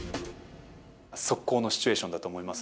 速攻のシチュエーションだと思います。